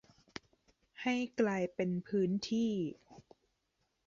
ให้กลายเป็นพื้นที่